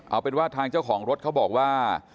เอาเป็นว่าทางเจ้าของรถเขาบอกว่า